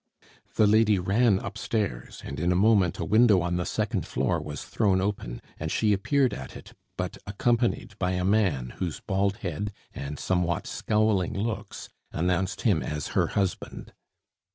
The lady ran upstairs, and in a moment a window on the second floor was thrown open, and she appeared at it, but accompanied by a man whose baldhead and somewhat scowling looks announced him as her husband.